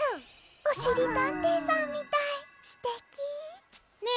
おしりたんていさんみたいすてき。ねえ